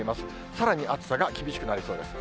さらに暑さが厳しくなりそうです。